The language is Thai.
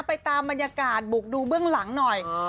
ไปตามบรรยากาศบุกดูเบื้องหลังหน่อย